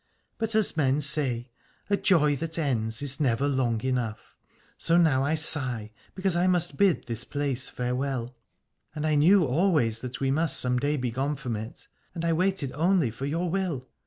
But as men say, a joy that ends is never long enough, so now I sigh because I must bid this place farewell. And I knew always that we must some day be gone from it : and I waited only for your will.